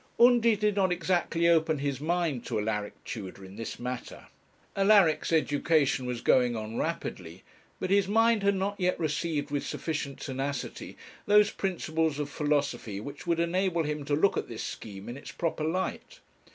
Undy did not exactly open his mind to Alaric Tudor in this matter. Alaric's education was going on rapidly; but his mind had not yet received with sufficient tenacity those principles of philosophy which would enable him to look at this scheme in its proper light.